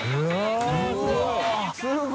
舛すごい！